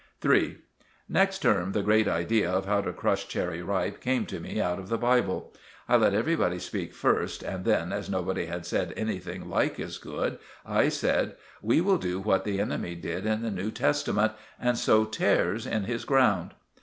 *III* Next term the great idea of how to crush Cherry Ripe came to me out of the Bible. I let everybody speak first, and then, as nobody had said anything like as good, I said— "We will do what the enemy did in the New Testament, and sow tares in his ground."